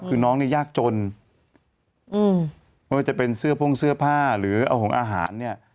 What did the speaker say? คือน้องเนี่ยยากจนอืมไม่ว่าจะเป็นเสื้อพ่งเสื้อผ้าหรือเอาของอาหารเนี่ย